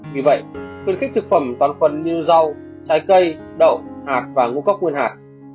vì vậy tuyên kích thực phẩm toàn phần như rau trái cây đậu hạt và ngũ cốc nguyên hạt